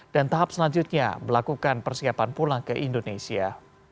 dan tahap selanjutnya melakukan persiapan pulang ke indonesia